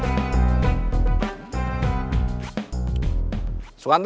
zahlnya hidup tetap kuat mode